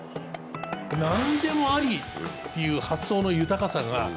何でもありっていう発想の豊かさが。